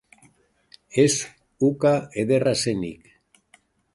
Ez uka ederra zenik.